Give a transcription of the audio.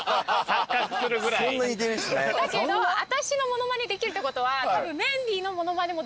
だけど私のモノマネできるってことは。